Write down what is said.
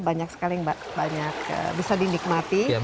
banyak sekali yang banyak bisa dinikmati